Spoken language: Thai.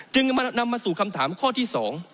นำมาสู่คำถามข้อที่๒